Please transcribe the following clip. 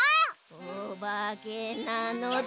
おばけなのだ！